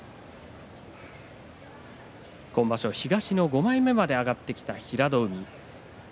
今場所、東の５枚目まで上がった平戸海です。